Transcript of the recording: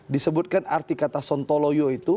disebutkan arti kata sontoloyo itu